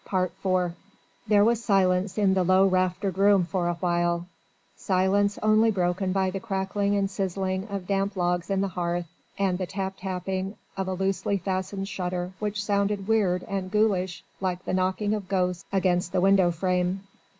IV There was silence in the low raftered room for awhile: silence only broken by the crackling and sizzling of damp logs in the hearth, and the tap tapping of a loosely fastened shutter which sounded weird and ghoulish like the knocking of ghosts against the window frame.